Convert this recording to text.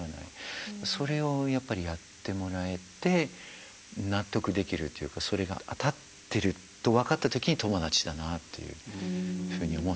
それをやっぱりやってもらえて納得できるというかそれが当たってると分かった時に友達だなというふうに思うんです。